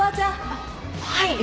あっはい。